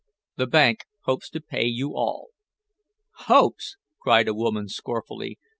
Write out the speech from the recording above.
The bank hopes to pay you all." "Hopes!" cried a woman scornfully.